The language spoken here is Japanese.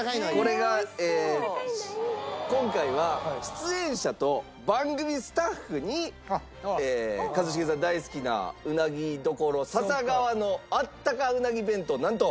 これが今回は出演者と番組スタッフに一茂さん大好きなうなぎ處笹川のあったかうなぎ弁当なんと。